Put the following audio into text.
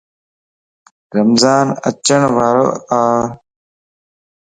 رمضان اچڻ وارو ا